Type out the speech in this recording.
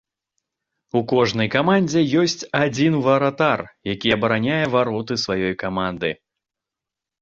У кожнай камандзе ёсць адзін варатар, які абараняе вароты сваёй каманды.